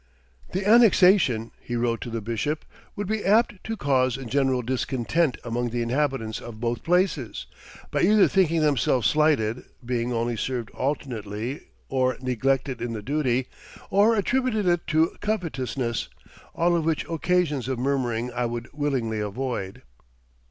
"The annexation," he wrote to the bishop, "would be apt to cause a general discontent among the inhabitants of both places, by either thinking themselves slighted, being only served alternately or neglected in the duty, or attributing it to covetousness; all of which occasions of murmuring I would willingly avoid."